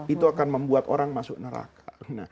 itu akan membuat orang masuk neraka